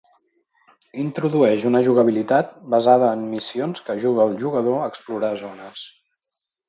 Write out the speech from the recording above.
Introdueix una jugabilitat basada en missions que ajuda el jugador a explorar zones.